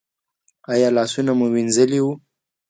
ایا لاسونه مو مینځلي وو؟